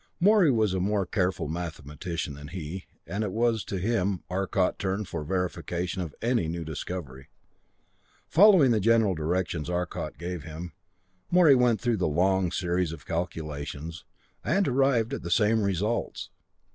Morey was a more careful mathematician than he, and it was to him Arcot turned for verification of any new discovery. Following the general directions Arcot gave him, Morey went through the long series of calculations and arrived at the same results.